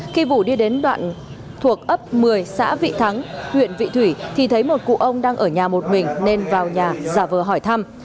khi vũ đi đến đoạn thuộc ấp một mươi xã vị thắng huyện vị thủy thì thấy một cụ ông đang ở nhà một mình nên vào nhà giả vờ hỏi thăm